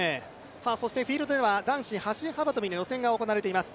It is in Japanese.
そしてフィールドでは男子走幅跳の予選が行われています。